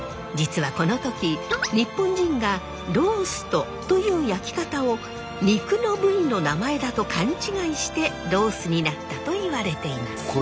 実はこの時日本人が「ロースト」という焼き方を肉の部位の名前だと勘違いしてロースになったといわれています。